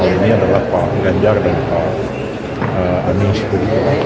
karena ini adalah pak ganjar dan pak anies